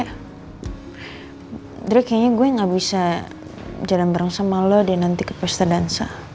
aduh kayaknya gue gak bisa jalan bareng sama lo deh nanti ke poster dansa